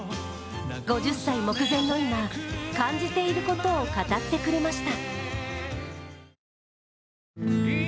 ５０歳目前の今、感じていることを語ってくれました。